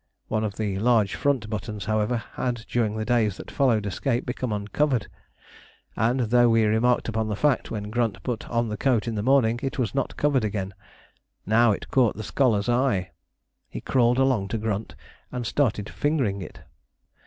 One of the large front buttons, however, had during the days that followed escape become uncovered, and though we remarked upon the fact when Grunt put on the coat in the morning, it was not covered again. Now it caught the scholar's eye. He crawled along to Grunt and started fingering it.